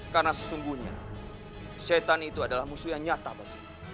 karena sesungguhnya syaitan itu adalah musuh yang nyata bagimu